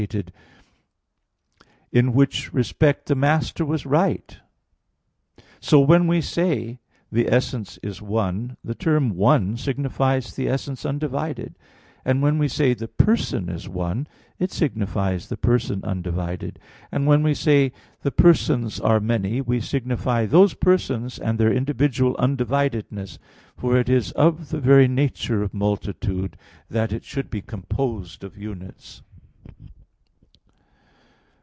i, D, 24); in which respect the Master was right (Sent. i, D, 24). So when we say, the essence is one, the term "one" signifies the essence undivided; and when we say the person is one, it signifies the person undivided; and when we say the persons are many, we signify those persons, and their individual undividedness; for it is of the very nature of multitude that it should be composed of units.